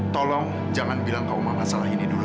tolong jangan bilang ke umar masalah ini dulu